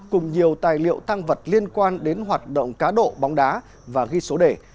cùng nhiều tài liệu tăng vật liên quan đến hoạt động cá độ bóng đá và ghi số đề